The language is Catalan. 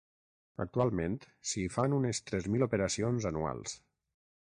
Actualment s’hi fan unes tres mil operacions anuals.